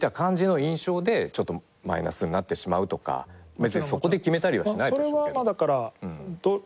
別にそこで決めたりはしないでしょうけど。